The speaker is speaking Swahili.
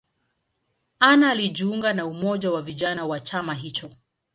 Anna alijiunga na umoja wa vijana wa chama hicho.